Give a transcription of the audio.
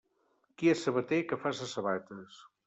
Qui és sabater que faça sabates.